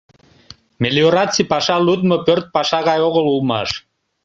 Мелиораций паша лудмо пӧрт паша гай огыл улмаш.